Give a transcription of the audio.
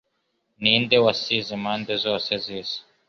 Ni nde wasize impande zose z'isi